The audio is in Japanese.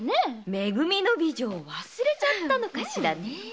「め組」の美女を忘れちゃったのかしらね。